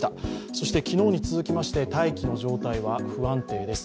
そして昨日に続きまして、大気の状態は不安定です。